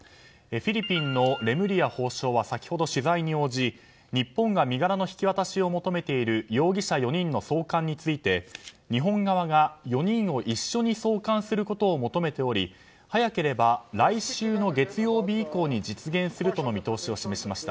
フィリピンのレムリヤ法相は先ほど取材に応じ日本が身柄の引き渡しを求めている容疑者４人の送還について日本側が４人を一緒に送還することを求めており早ければ来週の月曜日以降に実現するとの見通しを示しました。